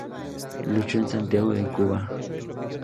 Luchó en Santiago de Cuba.